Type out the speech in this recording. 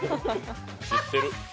知ってる！